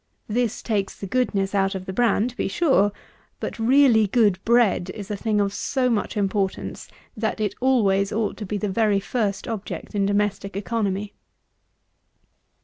This takes the goodness out of the bran to be sure; but really good bread is a thing of so much importance, that it always ought to be the very first object in domestic economy.